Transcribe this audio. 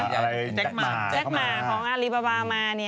จักหมาของอารี่บาบามา